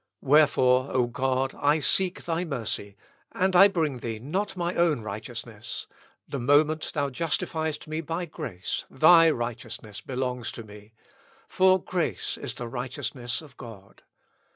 Wherefore, O God, I seek thy mercy, and I bring thee not my own righteousness: the moment thou justifiest me by grace, thy righteousness belongs to me; for grace is the righteousness of God.